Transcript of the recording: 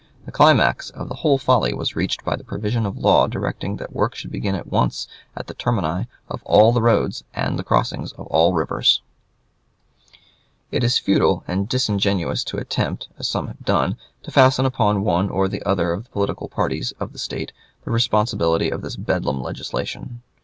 The climax of the whole folly was reached by the provision of law directing that work should be begun at once at the termini of all the roads and the crossings of all rivers. It is futile and disingenuous to attempt, as some have done, to fasten upon one or the other of the political parties of the State the responsibility of this bedlam legislation.